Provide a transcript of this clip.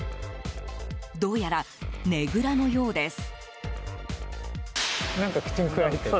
どうやら、ねぐらのようです。